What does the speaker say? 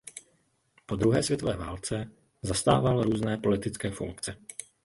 Po druhé světové válce zastával různé politické funkce.